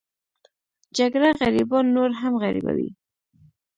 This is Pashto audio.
جګړه غریبان نور هم غریبوي